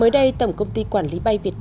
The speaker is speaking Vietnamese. mới đây tổng công ty quản lý bay việt nam